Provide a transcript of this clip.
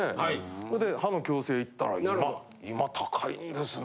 それで歯の矯正に行ったら今高いんですね。